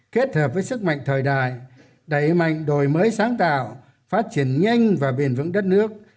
kết hợp với sức mạnh thời đại đẩy mạnh đổi mới sáng tạo phát triển nhanh và bền vững đất nước